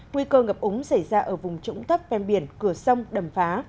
nguy cơ ngập úng xảy ra ở vùng trũng thấp ven biển cửa sông đầm phá